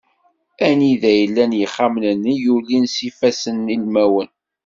Anida i llan yixxamen-nni i yulin s yifasssen ilmawen.